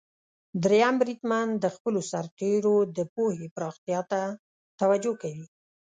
دریم بریدمن د خپلو سرتیرو د پوهې پراختیا ته توجه کوي.